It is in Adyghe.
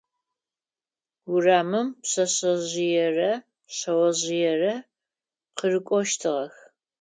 Урамым пшъэшъэжъыерэ шъэожъыерэ къырыкӀощтыгъэх.